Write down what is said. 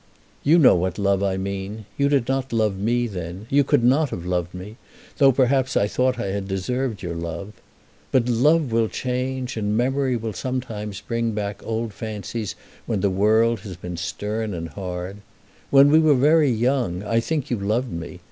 "You know what love I mean. You did not love me then. You could not have loved me, though, perhaps, I thought I had deserved your love. But love will change, and memory will sometimes bring back old fancies when the world has been stern and hard. When we were very young I think you loved me.